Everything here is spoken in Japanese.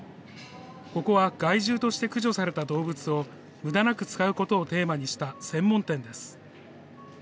ここは害獣として駆除された動物を、むだなく使うことをテーマにした専門店です。